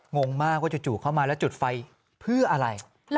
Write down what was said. งงมากว่าจู่เข้ามาแล้วจุดไฟเพื่ออะไร